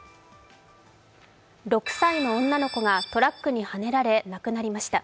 ６歳の女の子がトラックにはねられ亡くなりました。